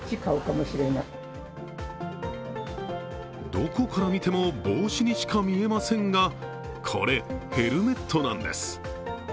どこから見ても帽子にしか見えませんが、これ、ヘルメットなんです。